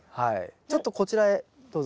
ちょっとこちらへどうぞ。